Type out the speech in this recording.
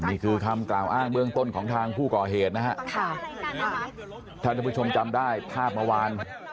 นี่คือคำกล่าวอ้างเบื้องต้นของทางผู้ก่อเหตุนะฮะค่ะท่านผู้ชมจำได้ภาพเมื่อวาน